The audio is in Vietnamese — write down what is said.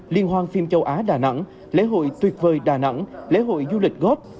liên hoan phim châu á đà nẵng lễ hội tuyệt vời đà nẵng lễ hội du lịch góp